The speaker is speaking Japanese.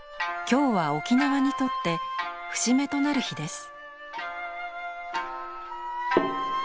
今日は沖縄にとって節目となる日です。